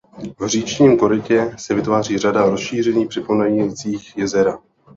V říčním korytě se vytváří řada rozšíření připomínajících jezera.